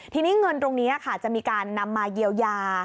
ทีนี้เงินตรงนี้ค่ะจะมีการนำมาเยียวยา